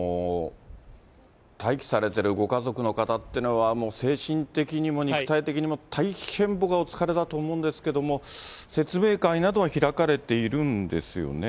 待機されてるご家族の方っていうのは、もう精神的にも肉体的にも、大変僕はお疲れだと思うんですけれども、説明会などは開かれているんですよね。